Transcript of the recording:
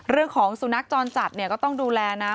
เรื่องของสุนัขจรจัดเนี่ยก็ต้องดูแลนะ